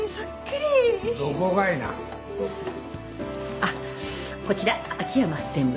あっこちら秋山専務。